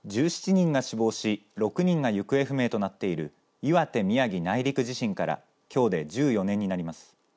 １７人が死亡し６人が行方不明となっている岩手・宮城内陸地震からきょうで１４年になります。